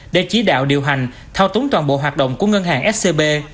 để chỉ đạo điều hành thao túng toàn bộ hoạt động của ngân hàng scb